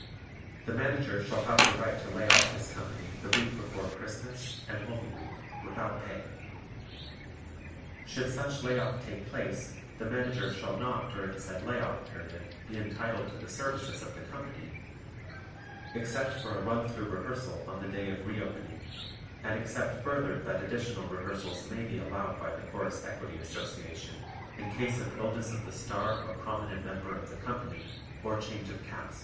The Manager shall have the right to lay off his company the week before Christmas and Holy Week without pay. Should such lay off take place the Manager shall not during said lay off period be entitled to the services of the company except for a run through rehearsal on the day of re opening, and except further that additional rehearsals may be allowed by the Chorus Equity Association in case of illness of the star or prominent member of the company or change of cast.